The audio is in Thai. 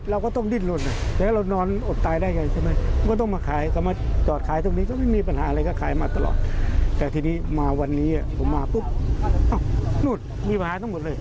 อ้าวเสียค่าจอดเอาไปเสร็จมา